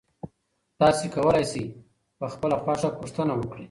تاسي کولای شئ په خپله خوښه پوښتنه وکړئ.